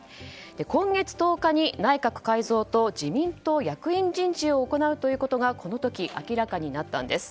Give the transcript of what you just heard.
今月１０日に内閣改造と自民党役員人事を行うということがこの時明らかになったんです。